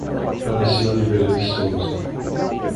Araci Oliveira de Souza